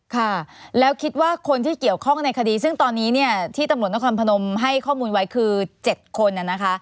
ค่ะแล้วคิดว่าคนที่เกี่ยวข้องในคดีซึ่งตอนนี้เนี่ยที่ตำรวจนครพนมให้ข้อมูลไว้คือ๗คนนะคะ